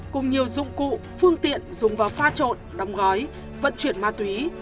cùng nhiều dụng cụ phương tiện dùng vào pha trộn đóng gói vận chuyển ma túy